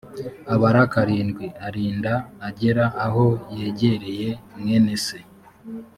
abara karindwi arinda agera aho yegereye mwene se